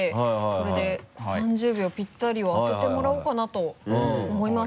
それで３０秒ぴったりを当ててもらおうかなと思います。